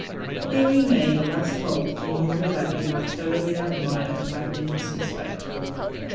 Here we made a last halt in order that we might thoroughly admire a magnificent spectacle.